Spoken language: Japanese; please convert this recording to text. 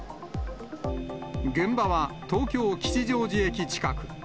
現場は東京・吉祥寺駅近く。